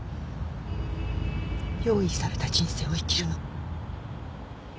用意された人生を生きるの。